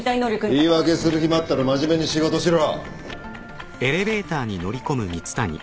言い訳する暇あったら真面目に仕事しろ。